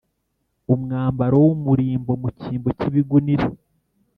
umwambaro w’umurimbo mu cyimbo cy’ibigunira,